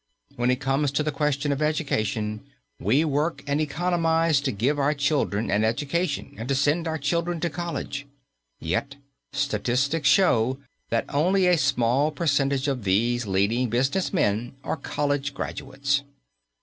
When it comes to the question of education, we work and economize to give our children an education and to send our children to college. Yet statistics show that only a small percentage of these leading business men are college graduates.